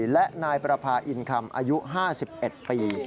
และนายประพาอินคำอายุ๕๑ปี